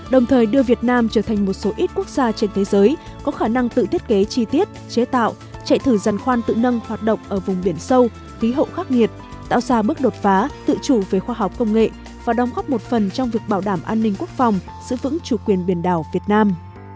đồng thời đưa việt nam trở thành một số ít quốc gia trên thế giới có khả năng tự thiết kế chi tiết chế tạo chạy thử giàn khoan tự nâng hoạt động ở vùng biển sâu khí hậu khắc nghiệt tạo ra bước đột phá tự chủ về khoa học công nghệ và đồng góp một phần trong việc bảo đảm an ninh quốc phòng giữ vững chủ quyền biển đảo việt nam